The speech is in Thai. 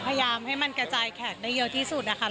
พยายามให้มันกระจายแขกได้เยอะที่สุดนะคะ